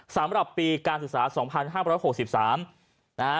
สำหรับปีการศึกษา๒๕๖๓นะฮะ